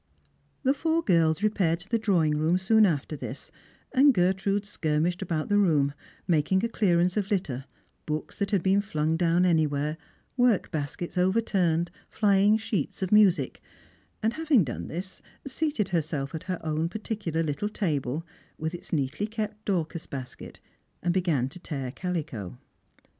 The four girls repaired to the drawing room soon after this, and Gertrude skirmished round the room, making a clearance of litter — books that had been flung down anywhere, work baskets overturned, flying sheets of music; and having done this, seated herself at her own particular little table, with its neatly kept Dorcas basket, and began to tear calico.